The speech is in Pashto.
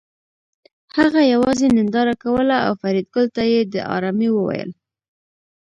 هغه یوازې ننداره کوله او فریدګل ته یې د ارامۍ وویل